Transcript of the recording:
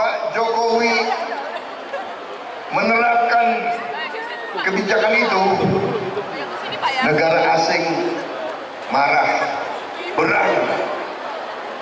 ketika jokowi menerapkan kebijakan tersebut negara asing akan marah dan berani